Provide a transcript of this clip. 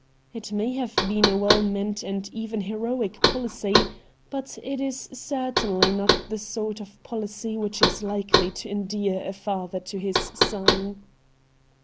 It may have been a well meant and even heroic policy, but it is certainly not the sort of policy which is likely to endear a father to his son.